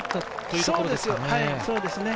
そうですね。